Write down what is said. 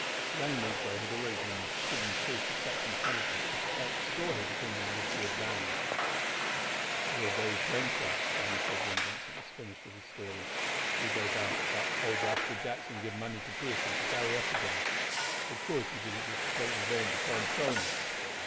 The young negro had already given proof of such intelligence that he felt sure his opinion would be of value. "Dat all bery plain, sah," Dan said when Vincent finished his story. "Me no doubt dat old rascal Jackson give money to Pearson to carry off de gal. Ob course he did it just to take revenge upon Tony.